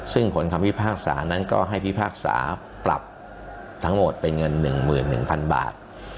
ซึ่งผลคำพิพากษานั้นก็ให้พิพากษาปรับทั้งหมดเป็นเงิน๑๑๐๐๐บาท